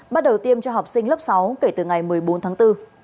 bắt đầu tiêm cho học sinh lớp sáu kể từ ngày một mươi bốn tháng bốn